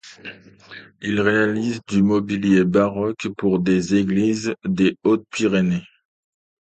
Il réalise du mobilier baroque pour des églises des Hautes-Pyrénées.